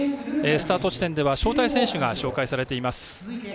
スタート地点では招待選手が紹介されています。